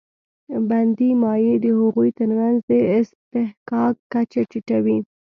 بندي مایع د هغوی تر منځ د اصطحکاک کچه ټیټوي.